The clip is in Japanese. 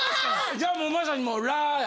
じゃあもうまさに「ら」や。